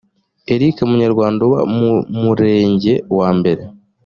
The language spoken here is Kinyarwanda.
eric umunyarwanda uba mu murenge wambere